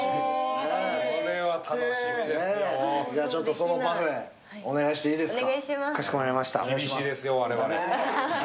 そのパフェ、お願いしていいですか。